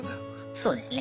そうですね。